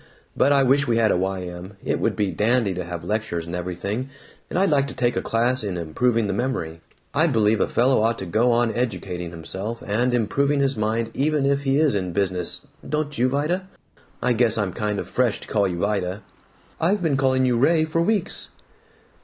But I wish we had a Y. M. It would be dandy to have lectures and everything, and I'd like to take a class in improving the memory I believe a fellow ought to go on educating himself and improving his mind even if he is in business, don't you, Vida I guess I'm kind of fresh to call you 'Vida'!" "I've been calling you 'Ray' for weeks!"